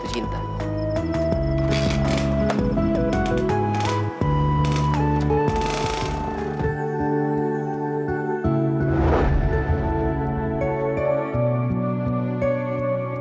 cuma jangan berpikir pikir